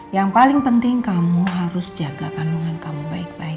yang paling penting kamu harus jaga kandungan kamu baik baik